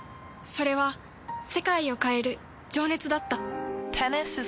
それは世界を変える情熱だった。